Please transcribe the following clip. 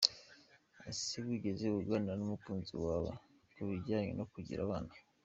Ese wigeze uganira n’umukunzi wawe ku binjyanye no kugira abana ?.